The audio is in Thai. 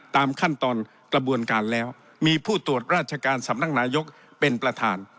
ตามขั้นตอนกระบวนการแล้วมีผู้ตรวจราชการสำนักนายกเป็นประธาน